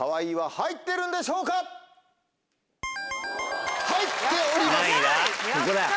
入っております。